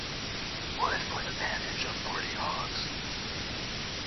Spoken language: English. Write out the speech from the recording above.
"Wood for the pannage of forty hogs".